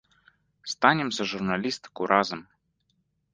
Станем за журналістыку разам!